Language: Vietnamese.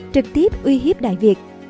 trực tiếp uy hiếp đại việt